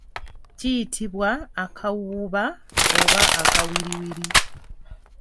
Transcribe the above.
Kiyitibwa akawuuba oba akawiriwiri.